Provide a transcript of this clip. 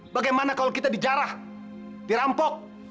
bagaimana kalau kita dijarah dirampok